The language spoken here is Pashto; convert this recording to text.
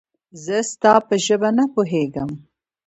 زه ستا په ژبه نه پوهېږم